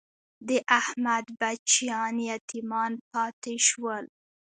د احمد بچیان یتیمان پاتې شول.